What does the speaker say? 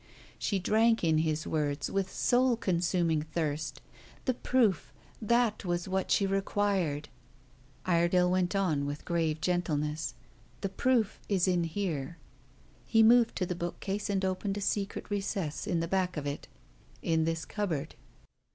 She drank in his words with a soul consuming thirst The proof! That was what she required. Iredale went on with grave gentleness. "The proof is in here." He moved to the bookcase and opened a secret recess in the back of it, "In this cupboard."